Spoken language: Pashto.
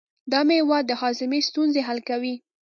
دا مېوه د هاضمې ستونزې حل کوي.